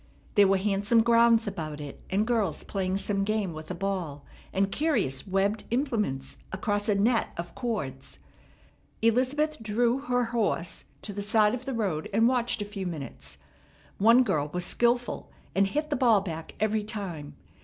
There were handsome grounds about it, and girls playing some game with a ball and curious webbed implements across a net of cords. Elizabeth drew her horse to the side of the road, and watched a few minutes. One girl was skilful, and hit the ball back every time.